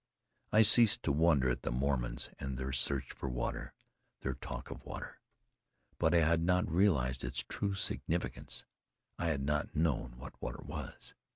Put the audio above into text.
I ceased to wonder at the Mormons, and their search for water, their talk of water. But I had not realized its true significance. I had not known what water was.